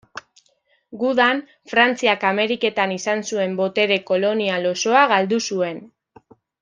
Gudan, Frantziak Ameriketan izan zuen botere kolonial osoa galdu zuen.